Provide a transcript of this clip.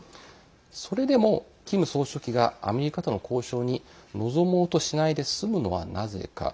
それでも、キム総書記がアメリカとの交渉に臨もうとしないで済むのはなぜか。